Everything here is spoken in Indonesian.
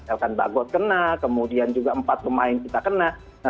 elkan bagot kena kemudian juga empat pemain kita kena